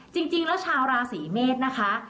จริงแล้วชาวราศีเมษนะคะ